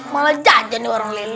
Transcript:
malah jajan nih orang lelis